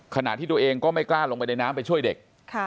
ขณะที่ตัวเองก็ไม่กล้าลงไปในน้ำไปช่วยเด็ก